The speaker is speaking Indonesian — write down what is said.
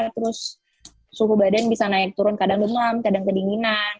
terus suhu badan bisa naik turun kadang demam kadang kedinginan